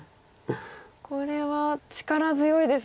これは力強いですね。